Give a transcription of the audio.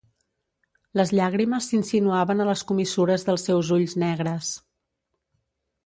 Les llàgrimes s'insinuaven a les comissures dels seus ulls negres—.